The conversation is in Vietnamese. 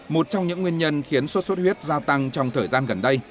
một trong những nguyên nhân khiến sốt xuất huyết gia tăng trong thời gian gần đây